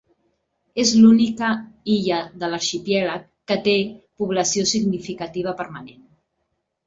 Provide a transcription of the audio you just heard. És l'única illa de l'arxipèlag que té població significativa permanent.